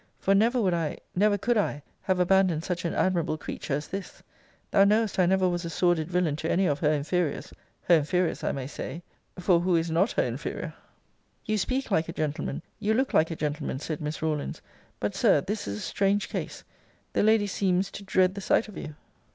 For never would I, never could I, have abandoned such an admirable creature as this. Thou knowest I never was a sordid villain to any of her inferiors Her inferiors, I may say For who is not her inferior? You speak like a gentleman; you look like a gentleman, said Miss Rawlins but, Sir, this is a strange case; the lady sees to dread the sight of you.